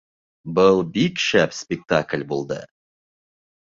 Был бик шәп спектакль булды